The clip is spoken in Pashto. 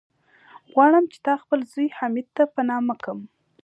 غواړم چې تا خپل زوی، حميد ته په نامه کم.